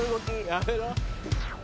やめろ。